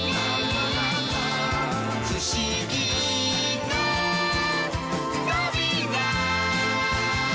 「ふしぎのとびら！」